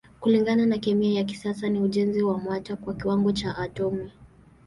Kulingana na kemia ya kisasa ni ujenzi wa mata kwa kiwango cha atomi.